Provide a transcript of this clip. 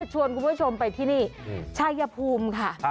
ชวนคุณผู้ชมไปที่นี่ชายภูมิค่ะ